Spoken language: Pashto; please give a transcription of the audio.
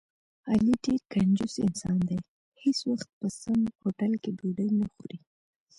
علي ډېر کنجوس انسان دی، هېڅ وخت په سم هوټل کې ډوډۍ نه خوري.